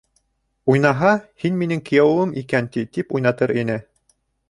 Уйнаһа, «һин минең кейәүем икән ти», - тип уйнатыр ине.